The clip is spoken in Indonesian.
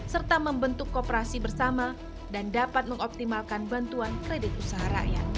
serta membentuk kooperasi bersama dan dapat mengoptimalkan bantuan kredit usaha rakyat